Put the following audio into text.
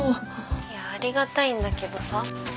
いやありがたいんだけどさ